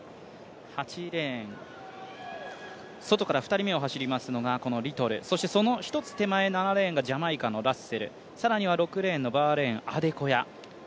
８レーン、外から２人目を走りますのがこのリトル、そしてその１つ手前、７レーンがジャマイカのラッセル、更には６レーンのバーレーン、アデコヤ。